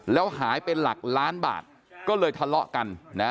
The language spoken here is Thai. แล้วหายเป็นหลักล้านบาทก็เลยทะเลาะกันนะ